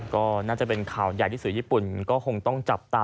ก็น่าจะเป็นข่าวใหญ่ที่สื่อญี่ปุ่นก็คงต้องจับตา